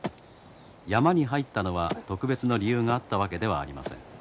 山に入ったのは特別の理由があったわけではありません。